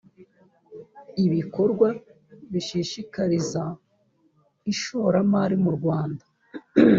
ibikorwa bishishikariza ishoramari murwanda